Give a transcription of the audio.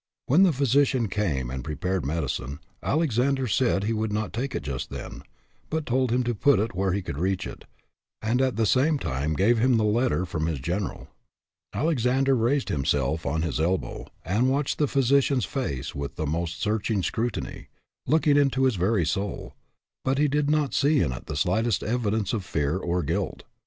When the physician came and pre pared medicine, Alexander said he would not take it just then, but told him to put it where he could reach it, and at the same time gave him the letter from his general. Alexander raised himself on his elbow, and watched the physician's face with the most searching scrutiny, looking into his very soul ; but he did not see in it the slightest evidence of fear or guilt.